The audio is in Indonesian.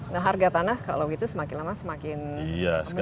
nah harga tanah kalau gitu semakin lama semakin menurun